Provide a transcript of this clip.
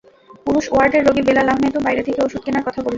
পুরুষ ওয়ার্ডের রোগী বেলাল আহমেদও বাইরে থেকে ওষুধ কেনার কথা বললেন।